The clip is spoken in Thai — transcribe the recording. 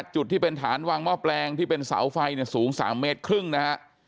จุดที่เป็นฐานวางหม้อแปลงที่เป็นเสาไฟสูง๓เมตรครึ่งนะฮะ